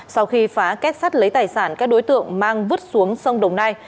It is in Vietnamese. sau khi phá kết sắt lấy tài sản các đối tượng mang vứt xuống sông đồng nai